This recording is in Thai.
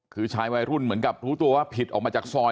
คือชายวัยรุ่นเหมือนกับรู้ตัวว่าผิดออกมาจากซอย